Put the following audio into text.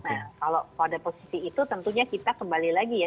nah kalau pada posisi itu tentunya kita kembali lagi ya